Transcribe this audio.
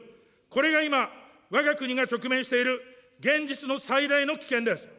これが今、わが国が直面している現実の最大の危険です。